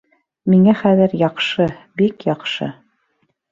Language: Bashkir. Миңә хәҙер яҡшы, бик яҡшы